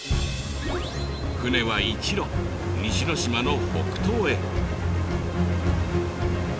船は一路西ノ島の北東へ。